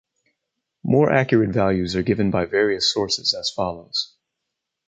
More accurate values are given by various sources as follows.